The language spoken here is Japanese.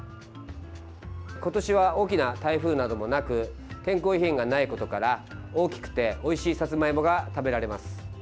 今年は、大きな台風などもなく天候異変がないことから大きくておいしいさつまいもが食べられます。